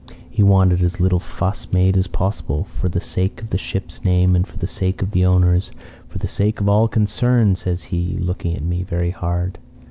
He wanted as little fuss made as possible, for the sake of the ship's name and for the sake of the owners 'for the sake of all concerned,' says he, looking at me very hard.